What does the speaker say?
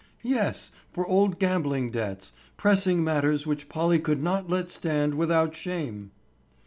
"Yes, for old gambling debts, pressing matters which Polly could not let stand without shame."